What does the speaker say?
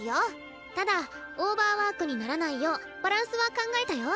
ただオーバーワークにならないようバランスは考えたよ。